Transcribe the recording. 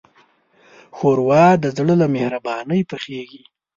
ښوروا د زړه له مهربانۍ پخیږي.